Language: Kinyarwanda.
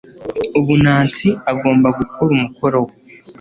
ubu nancy agomba gukora umukoro we